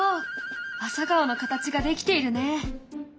朝顔の形が出来ているね。